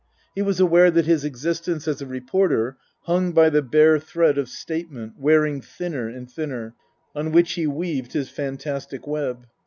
He was aware that his existence as a reporter hung by the bare thread of statement (wearing thinner and thinner) on which he weaved his fantastic web.